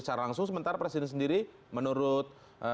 secara langsung sementara presiden sendiri menurut